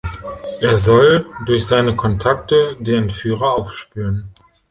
Er soll durch seine Kontakte die Entführer aufspüren.